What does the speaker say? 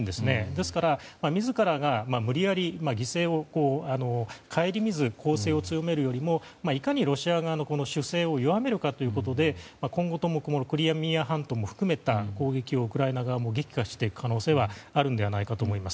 ですから、自らが無理やり犠牲を顧みず攻勢を強めるよりいかにロシア側の守勢を弱めるかということで今後ともクリミア半島も含めた攻撃をウクライナ側も激化していく可能性はあるのではないかと思います。